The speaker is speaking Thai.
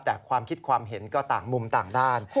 แต่ความคิดความเห็นก็ต่างมุมต่างด้าน